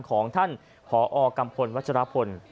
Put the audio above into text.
ของท่านผอกัมพลวัชรพล